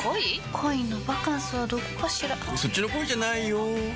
恋のバカンスはどこかしらそっちの恋じゃないよ